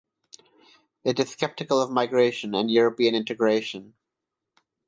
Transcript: It is skeptical of migration and European integration.